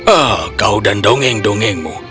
eh kau dan dongeng dongengmu